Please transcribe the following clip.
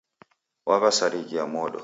Waw'asarighia mondo.